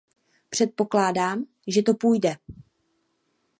Předpokládám, že to půjde.